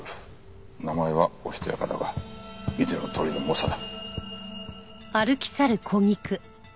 名前はおしとやかだが見てのとおりの猛者だ。